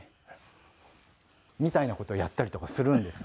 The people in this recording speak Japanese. みたいな事をやったりとかするんです。